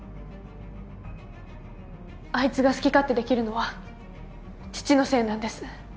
あいつが好き勝手できるのは父のせいなんです